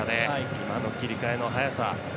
今の切り替えの早さ。